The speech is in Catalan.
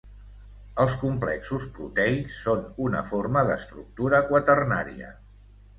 Els complexos proteics són una forma d'estructura quaternària.